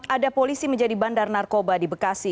ada polisi menjadi bandar narkoba di bekasi